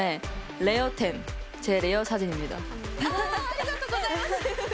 ありがとうございます。